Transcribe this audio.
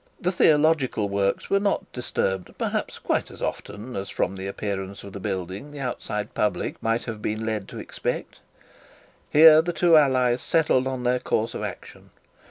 The theological works were not disturbed, perhaps, quite as often as from the appearance of the building the outside public might have been led to expect. Here the two allies settled on their course of action.